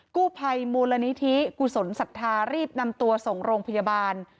กู้ภัยมูลนิธิกุศลศรัทธารีบนำตัวส่งโรงพยาบาล